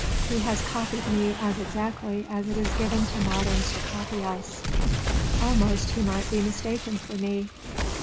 "He has copied me as exactly as it is given to moderns to copy us. Almost he might be mistaken for me.